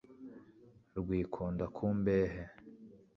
Rwikunda ku mbehe